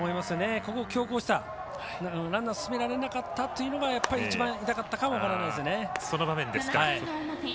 ここ、強攻したランナーを進められなかったのが一番痛かったかも分からないですね。